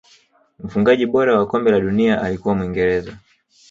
mfungaji bora wa kombe la dunia alikuwa muingereza